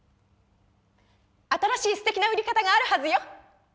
新しいステキな売り方があるはずよ！